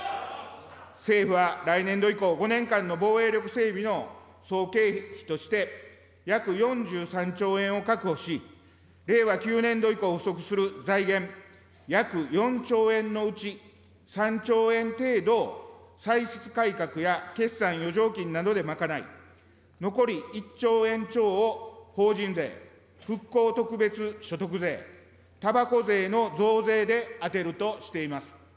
政府は来年度以降、５年間の防衛力整備の総経費として、約４３兆円を確保し、令和９年度以降不足する財源約４兆円のうち、３兆円程度を歳出改革や決算余剰金などで賄い、残り１兆円超を法人税、復興特別所得税、たばこ税の増税で充てるとしています。